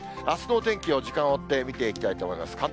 あすのお天気を時間追って見ていきたいと思います。